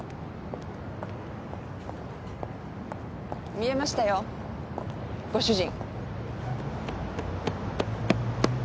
見えましたよご主人。